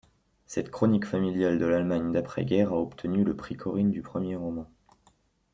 Cette chronique familiale de l'Allemagne d'après-guerre a obtenu le prix Corine du premier roman.